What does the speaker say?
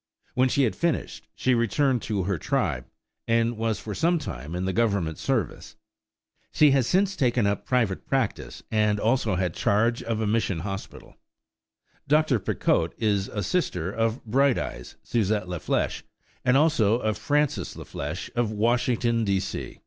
When she had finished, she returned to her tribe, and was for some time in the Government service. She has since taken up private practice and also had charge of a mission hospital. Dr. Picotte is a sister of Bright Eyes (Susette La Flesche) and also of Francis La Flesche of Washington, D. C.